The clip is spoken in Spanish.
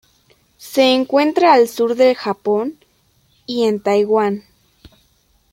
Se encuentra al sur del Japón y en Taiwán.